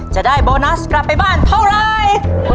จะได้โบนัสกลับไปบ้านเท่าไร